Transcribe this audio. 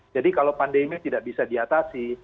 jadi kalau pandemi tidak bisa diatasi